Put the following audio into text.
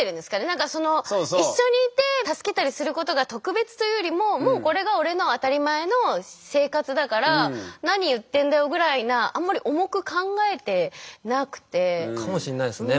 何かその一緒にいて助けたりすることが特別というよりも「もうこれが俺の当たり前の生活だから何言ってんだよ」ぐらいなかもしれないですね。